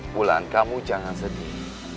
bulan kamu jangan sedih